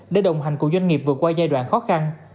để đồng hành cùng doanh nghiệp vượt qua giai đoạn khó khăn